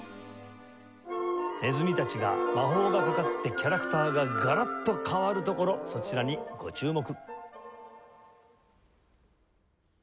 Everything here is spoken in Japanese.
ねずみたちが魔法がかかってキャラクターがガラッと変わるところそちらにご注目。